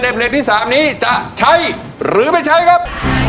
เพลงที่๓นี้จะใช้หรือไม่ใช้ครับ